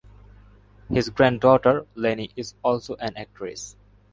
His granddaughter Lenny is also an actress.